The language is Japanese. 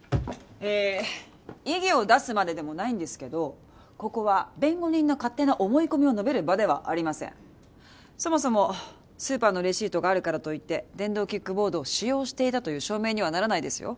ええ異議を出すまででもないんですけどここは弁護人の勝手な思い込みを述べる場ではありませんそもそもスーパーのレシートがあるからといって電動キックボードを使用していたという証明にはならないですよ